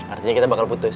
artinya kita bakal putus